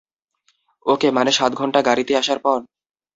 ওকে, মানে, সাত ঘন্টা গাড়িতে আসার পর?